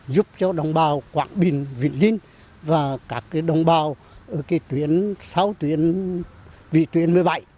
giúp cho đồng bào quảng bình vĩnh linh và các đồng bào ở tuyến sáu tuyến một mươi bảy